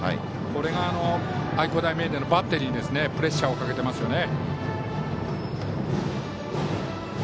これが愛工大名電のバッテリーにプレッシャーをかけてますね。